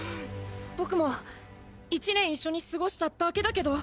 僕も１年一緒に過ごしただけだけど。